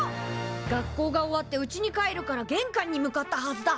学校が終わって家に帰るから玄関に向かったはずだ。